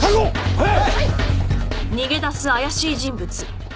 はい！